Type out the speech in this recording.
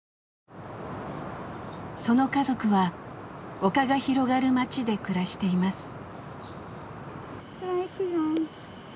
その家族は丘が広がる町で暮らしています。